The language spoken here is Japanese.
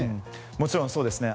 もちろんそうですね。